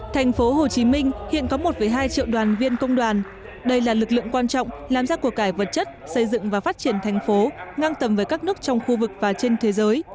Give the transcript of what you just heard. tp hcm hiện có một hai triệu đoàn viên công đoàn đây là lực lượng quan trọng làm ra cuộc cải vật chất xây dựng và phát triển thành phố ngang tầm với các nước trong khu vực và trên thế giới